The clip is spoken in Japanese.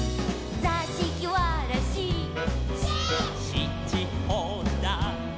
「しちほだ」